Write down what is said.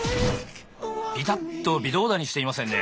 ビタッと微動だにしていませんね。